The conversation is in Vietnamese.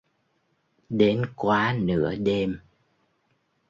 Đến quá nửa đêm